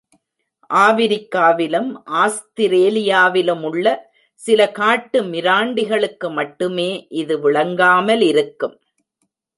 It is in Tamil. ஆபிரிக்காவிலும், ஆஸ்திரேலியாவிலுமுள்ள சில காட்டு மிராண்டிகளுக்கு மட்டுமே இது விளங்காமலிருக்கும்.